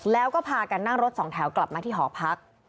แล้วก็พากันนั่งรถสองแถวกลับมาที่หอพัก